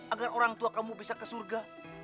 agar orang tua kamu bisa ke surga